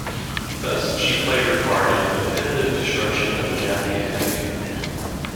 Thus, she played her part in the definitive destruction of the Japanese Navy.